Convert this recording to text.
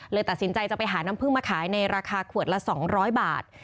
ตัดสินใจจะไปหาน้ำพึ่งมาขายในราคาขวดละ๒๐๐บาท